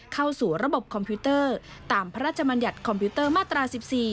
เข้าสู่ระบบคอมพิวเตอร์ตามพระราชมัญญัติคอมพิวเตอร์มาตรา๑๔